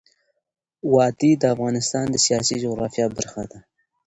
وادي د افغانستان د سیاسي جغرافیه برخه ده.